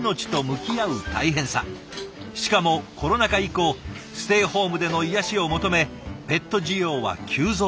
しかもコロナ禍以降ステイホームでの癒やしを求めペット需要は急増。